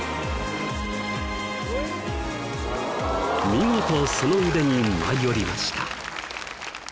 見事その腕に舞い降りました。